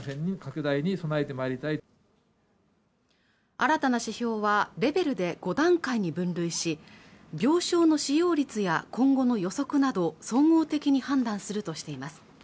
新たな指標はレベルで５段階に分類し病床使用率や今後の予測など総合的に判断するとしています